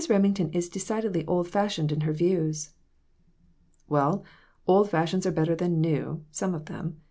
Remington is decidedly old fashioned in her views." "Well, old fashions are better than new some of them.